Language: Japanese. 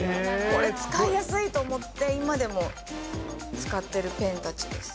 これ、使いやすいと思って、今でも使っているペンたちです。